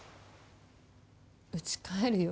うち、帰るよ。